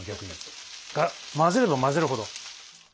混ぜれば混ぜるほど。